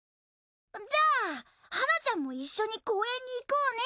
じゃあはなちゃんも一緒に公園に行こうね。